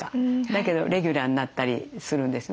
だけどレギュラーになったりするんですね